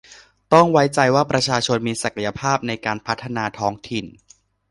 ต้องไว้ใจว่าประชาชนมีศักยภาพในการพัฒนาท้องถิ่น